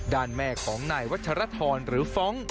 ด่านแม่ของหนัยวัชฌรธรรมหรือฟ้อง